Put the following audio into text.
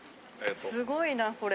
すごいなこれ。